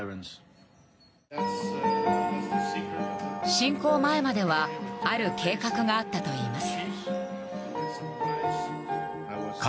侵攻前まではある計画があったといます。